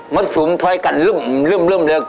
มาสุนทำดูอย่างรึบเริ่มเริ่มเรื่อง